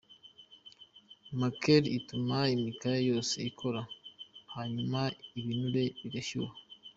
Makeri ituma imikaya yose ikora, hanyuma ibinure bigashyuha.